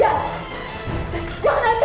aku gak mau mati